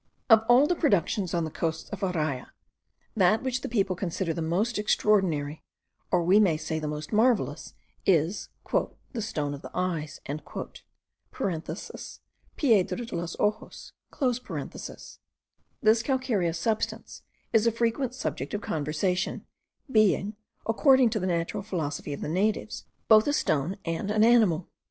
Of all the productions on the coasts of Araya, that which the people consider as the most extraordinary, or we may say the most marvellous, is 'the stone of the eyes,' (piedra de los ojos.) This calcareous substance is a frequent subject of conversation: being, according to the natural philosophy of the natives, both a stone and an animal.